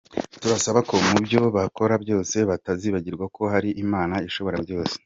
Turabasaba ko mu byo bakora byose batazibagirwa ko hari Imana ishobora byose.